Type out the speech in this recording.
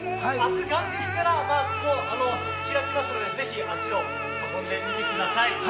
元日から開きますのでぜひ足を運んでみてください。